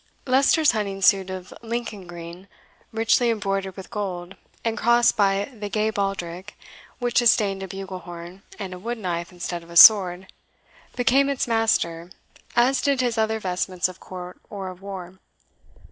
Leicester's hunting suit of Lincoln green, richly embroidered with gold, and crossed by the gay baldric which sustained a bugle horn, and a wood knife instead of a sword, became its master, as did his other vestments of court or of war.